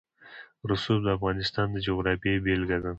رسوب د افغانستان د جغرافیې بېلګه ده.